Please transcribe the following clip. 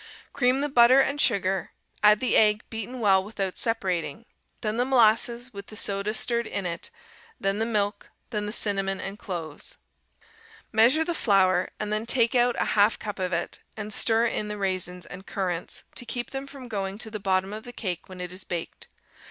Cream the butter and sugar, add the egg beaten well without separating, then the molasses with the soda stirred in it, then the milk, then the cinnamon and cloves. Measure the flour, and then take out a half cup of it, and stir in the raisins and currants, to keep them from going to the bottom of the cake when it is baked.